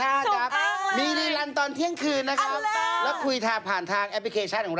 อ้าววันนี้วันศุกร์แล้วฮุงคมอ้าววันนี้วันศุกร์แล้วฮุงคม